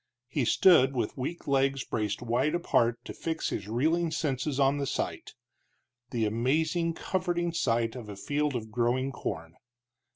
He stood with weak legs braced wide apart to fix his reeling senses on the sight the amazing, comforting sight, of a field of growing corn.